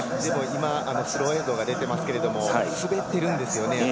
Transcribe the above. スロー映像が出ていましたけど滑ってるんですよね。